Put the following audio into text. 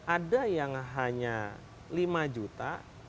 ada yang hanya lima juta